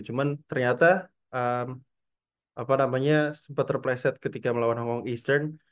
cuman ternyata apa namanya sempet terplayset ketika melawan hong kong eastern